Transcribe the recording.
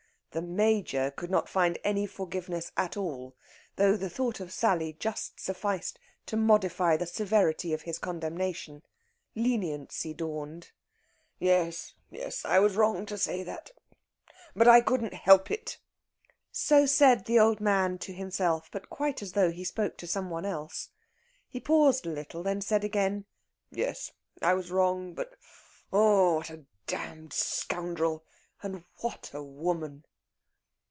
The Major could not find any forgiveness at all, though the thought of Sally just sufficed to modify the severity of his condemnation. Leniency dawned. "Yes yes; I was wrong to say that. But I couldn't help it." So said the old man to himself, but quite as though he spoke to some one else. He paused a little, then said again: "Yes; I was wrong. But oh, what a damned scoundrel! And what a woman!"